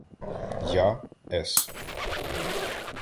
Я — С.